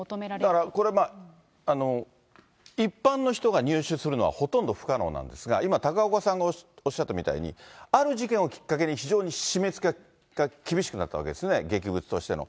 だから、これ、一般の人が入手するのはほとんど不可能なんですが、今、高岡さんがおっしゃったみたいに、ある事件をきっかけに非常に締め付けが厳しくなったわけですね、劇物としての。